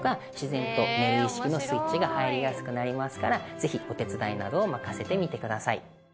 是非お手伝いなどを任せてみてください。